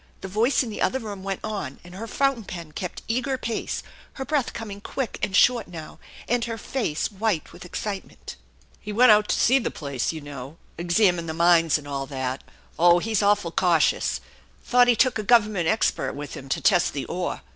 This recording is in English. The voice in the other room went on and her fountain pen kept eager pace, her breath coming quick and short now, and her face white with excitement. "He went out to see the place, you know, examine the 182 THE ENCHANTED BARN mines and all that. Oh, he's awful cautious ! Thought he took a government expert with him to test the ore.